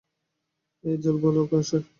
এই জলবালক বাসে।